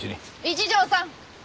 一条さん！